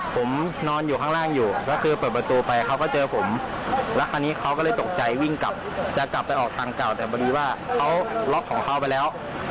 ผมนอนอยู่ข้างล่างอยู่ก็คือเปิดประตูไปเขาก็เจอผมแล้วคราวนี้เขาก็เลยตกใจวิ่งกลับจะกลับไปออกทางเก่าแต่พอดีว่าเขาล็อกของเขาไปแล้ว